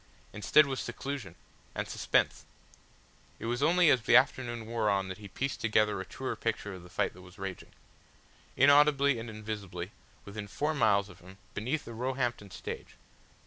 Instead was seclusion and suspense. It was only as the afternoon wore on that he pieced together a truer picture of the fight that was raging, inaudibly and invisibly, within four miles of him, beneath the Roehampton stage.